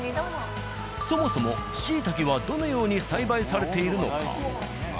そもそもシイタケはどのように栽培されているのか？